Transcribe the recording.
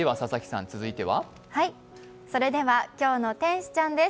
それでは「今日の天使ちゃん」です。